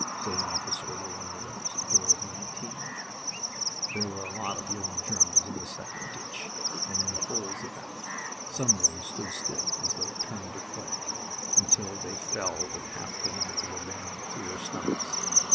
said an officer of the Londoners a boy of nineteen. There were a lot of living Germans in the second ditch, and in holes about. Some of them stood still, as though turned to clay, until they fell with half the length of a bayonet through their stomachs.